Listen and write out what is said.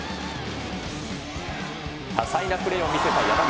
多彩なプレーを見せた山口。